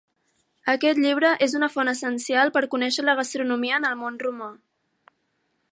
Aquest llibre és una font essencial per a conèixer la gastronomia en el món romà.